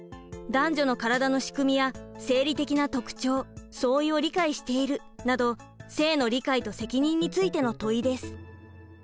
「男女のからだのしくみや生理的な特徴・相違を理解している」など性の理解と責任についての問いです。